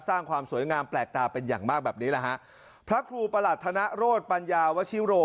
สร้างความสวยงามแปลกตาเป็นอย่างมากแบบนี้แหละฮะพระครูประหลัดธนโรธปัญญาวชิโร